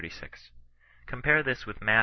36. Compare this with Matt.